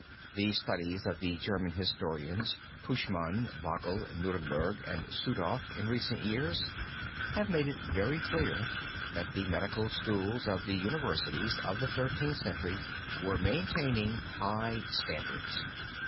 The studies of the German historians, Puschmann, Pagel, Neuberger, and Sudhoff in recent years, have made it very clear that the medical schools of the universities of the Thirteenth Century were maintaining high standards.